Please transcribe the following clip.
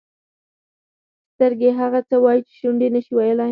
سترګې هغه څه وایي چې شونډې نه شي ویلای.